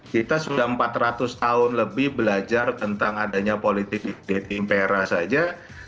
kita sudah empat ratus tahun lebih belajar tentang adanya politik di impera saja